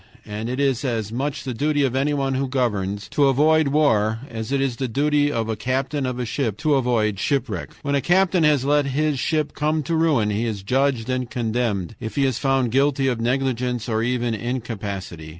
And it is as much the duty of anyone who governs to avoid war as it is the duty of a captain of a ship to avoid shipwreck. "When a captain has let his ship come to ruin, he is judged and condemned, if he is found guilty of negligence or even incapacity.